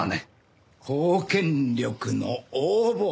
公権力の横暴。